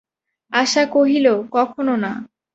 আশা কহিল, কখনো না।